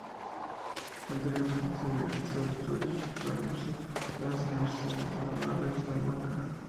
Anteriormente había realizado estudios de Farmacia en las universidades de Navarra y Salamanca.